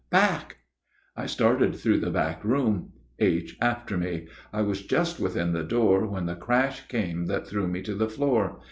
"Back!" I started through the back room, H. after me. I was just within the door when the crash came that threw me to the floor.